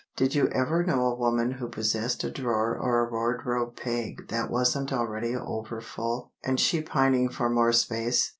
Did you ever know a woman who possessed a drawer or a wardrobe peg that wasn't already over full, and she pining for more space?